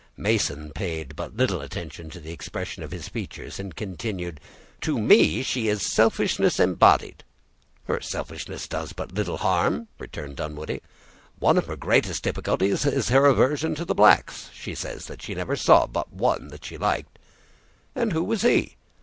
Mason paid but little attention to the expression of his features, and continued,— "To me, she is selfishness embodied!" "Her selfishness does but little harm," returned Dunwoodie. "One of her greatest difficulties is her aversion to the blacks. She says that she never saw but one she liked." "And who was he?"